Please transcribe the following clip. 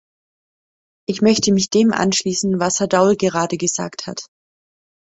Ich möchte mich dem anschließen, was Herr Daul gerade gesagt hat.